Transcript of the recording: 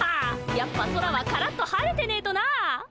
やっぱ空はカラッと晴れてねえとなあ。